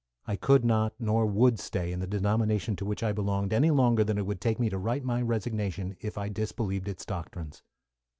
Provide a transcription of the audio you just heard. I could not nor would stay in the denomination to which I belonged any longer than it would take me to write my resignation, if I disbelieved its doctrines.